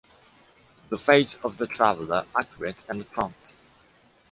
The fate of the traveler, accurate and prompt.